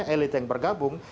elit yang bergabung